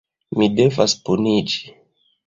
Mi devas puniĝi.